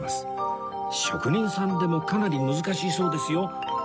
職人さんでもかなり難しいそうですよ